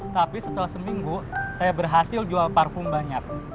tapi setelah seminggu saya berhasil jual parfum banyak